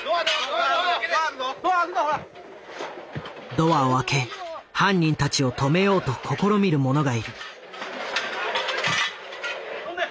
ドアをあけ犯人たちを止めようと試みる者がいる。